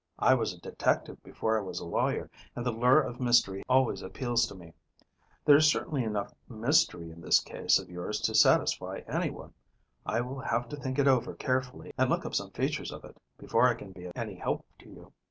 I was a detective before I was a lawyer, and the lure of mystery always appeals to me. There is certainly enough mystery in this case of yours to satisfy anyone. I will have to think it over carefully, and look up some features of it, before I can be of any help to you.